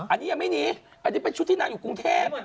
อันนี้ยังไม่หนีอันนี้เป็นชุดที่นางอยู่กรุงเทพ